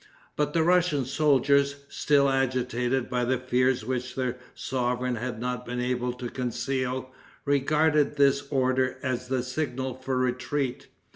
But the Russian soldiers, still agitated by the fears which their sovereign had not been able to conceal, regarded this order as the signal for retreat.